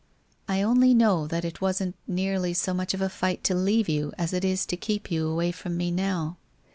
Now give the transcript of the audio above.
I only know that it wasn't nearly so much of a fight to leave you, as it is to keep you away from me now.